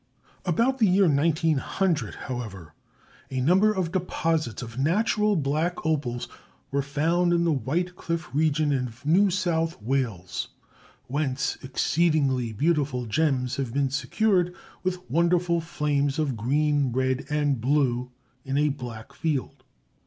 About the year 1900, however, a number of deposits of natural black opals were found in the White Cliff region of New South Wales, whence exceedingly beautiful gems have been secured, with wonderful flames of green, red, and blue in a black field.